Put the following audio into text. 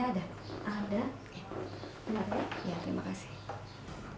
mereka harus dirumah saja